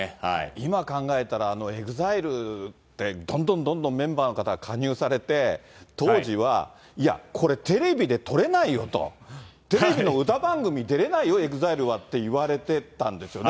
今考えたら、ＥＸＩＬＥって、どんどんどんどんメンバーの方加入されて、当時はいや、これ、テレビで撮れないよと、テレビの歌番組出れないよ、ＥＸＩＬＥはって言われてたんですよね。